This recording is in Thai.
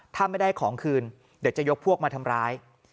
ถ้าไม่ได้ของคืนเดี๋ยวจะยกพวกมาทำร้าย